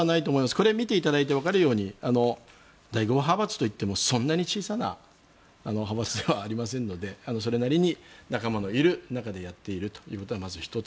これを見てわかるように第５派閥といってもそんなに小さな派閥ではありませんのでそれなりに仲間のいる中でやっていることはまず１つ。